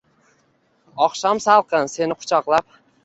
Oqshom salqin, seni quchoqlab